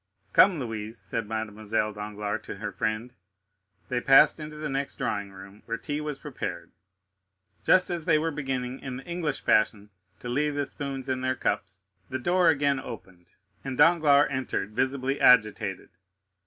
"Come, Louise," said Mademoiselle Danglars to her friend. They passed into the next drawing room, where tea was prepared. Just as they were beginning, in the English fashion, to leave the spoons in their cups, the door again opened and Danglars entered, visibly agitated.